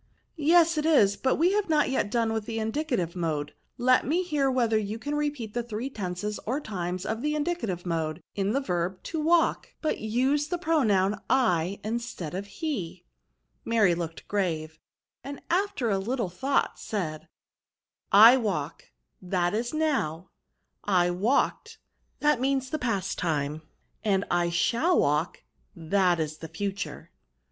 ^" Yes, it is ; but we have not yet done with the indicative mode ; let me hear whe ther you can repeat the three tenses or times of the indicative mode, in the verb to walk ; but use the pronoun / instead Of he,"^ Maiy looked graven and after a little thought, said, ^ I walk, that is now ; I walked, that means the past time; and I shall walk, that is the future."